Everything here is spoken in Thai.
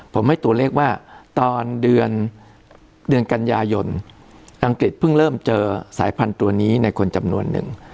ผมให้ตัวเลขว่าตอนเดือนกันยายนอังกฤษเพิ่งเริ่มเจอสายพันธุ์ตัวนี้ในคนจำนวนหนึ่ง